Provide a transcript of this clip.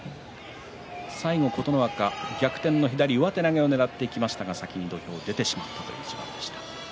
最後、琴ノ若、逆転の左上手投げをねらっていきましたが、先に土俵を出てしまったという一番でした。